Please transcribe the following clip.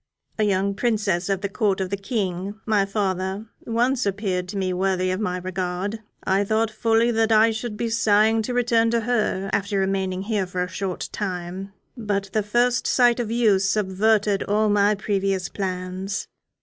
A young princess of the Court of the King, my father, once appeared to me worthy of my regard. I thought fully that I should be sighing to return to her after remaining here for a short time; but the first sight of you subverted all my previous plans.